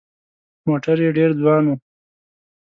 موټر یې ډېر ځوان و.